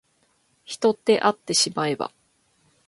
人ってあってしまえば